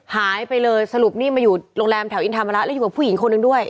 หายไปเลยสรุปนี่มาอยู่โรงแรมแถวอินธรรมแล้วแล้วอยู่กับผู้หญิงคนหนึ่งด้วย